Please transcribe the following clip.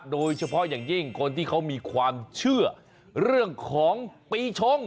โดยเฉพาะอย่างยิ่งคนที่เขามีความเชื่อเรื่องของปีชง